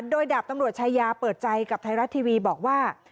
โดยดาบตำรวจชายาเปิดใจกับไทยรัฐทีวีบอกว่า